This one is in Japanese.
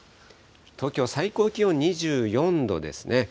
東京、最高気温２４度ですね。